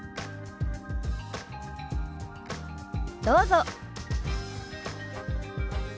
どうぞ。